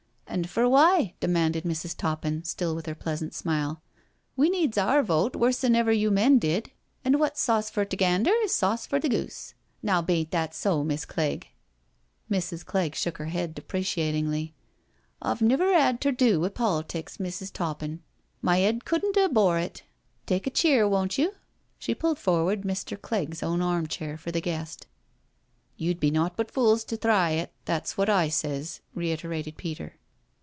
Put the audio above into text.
"And for why?" demanded Mrs. Toppin, still with her pleasant smile. " We needs our vote worse 'n ever you men did, and wots sauce for t 'gander is sauce for the goose. Now hain't that so, Miss' Clegj;?" Mrs. Clegg shook her head depreciatingly. " I've niver 'ad ter do wi' politicks. Miss' Toppin; my 'ead cudn't 'ave bore it. Tak' a cheer, won't you?" She pulled forward Mr. Clegg's own arm chair for the guest. " You'd be nought but fools to thry it, that's wot I sez," reiterated Peter.